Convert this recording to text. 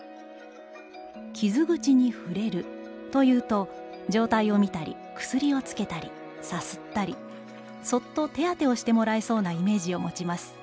「傷口に『ふれる』というと、状態をみたり、薬をつけたり、さすったり、そっと手当てをしてもらえそうなイメージを持ちます。